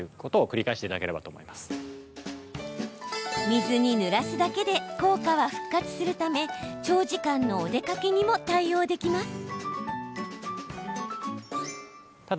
水にぬらすだけで効果は復活するため長時間のお出かけにも対応できます。